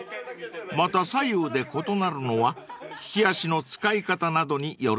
［また左右で異なるのは利き足の使い方などによるそうです］